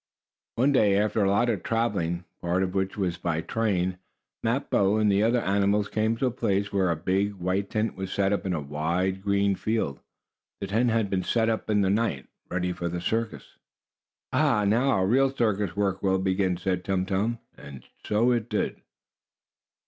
One day, after a lot of traveling, part of which was by train, Mappo and the other animals came to a place where a big, white tent was set up in a wide, green field. The tent had been set up in the night, ready for the circus. "Ah! Now our real circus work will begin!" said Tum Tum. And so it did.